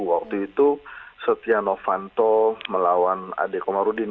waktu itu setia novanto melawan ade komarudin